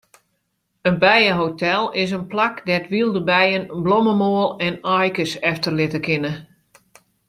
In bijehotel is in plak dêr't wylde bijen blommemoal en aaikes efterlitte kinne.